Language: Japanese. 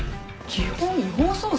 基本違法捜査？